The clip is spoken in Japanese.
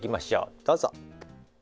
どうぞ。